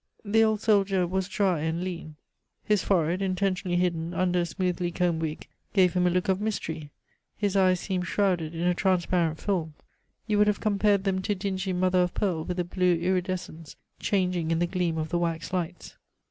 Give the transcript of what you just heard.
The old soldier was dry and lean. His forehead, intentionally hidden under a smoothly combed wig, gave him a look of mystery. His eyes seemed shrouded in a transparent film; you would have compared them to dingy mother of pearl with a blue iridescence changing in the gleam of the wax lights.